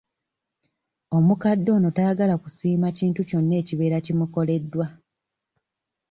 Omukadde ono tayagala kusiima kintu kyonna ekibeera kimukoleddwa.